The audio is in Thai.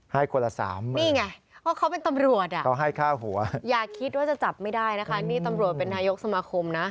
ให้คนละ๓หมื่นนี่ไงว่าเขาเป็นตำรวจอ่ะอย่าคิดว่าจะจับไม่ได้นะคะนี่ตำรวจเป็นนายกสมาคมนะ